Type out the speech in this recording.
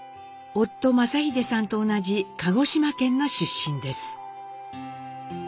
夫正英さんと同じ鹿児島県の出身です。